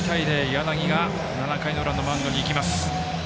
柳が７回の裏のマウンドに行きます。